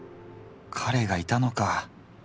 カレがいたのか。